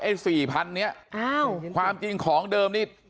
ไอ้สี่พันเนี่ยความจริงของเดิมนี้